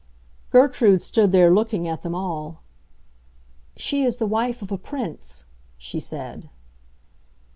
Gertrude stood there looking at them all. "She is the wife of a Prince," she said.